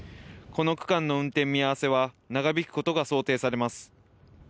この区間の運転見合わせは長引くことが想定されます。